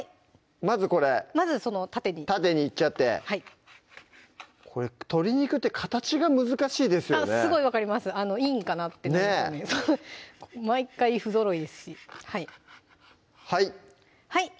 まずこれまずその縦に縦にいっちゃって鶏肉って形が難しいですよねすごい分かりますいいんかなってなりますよね毎回不ぞろいですしはいはい！